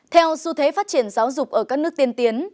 theo xu thế phát triển giáo dục ở các nước tiên tiến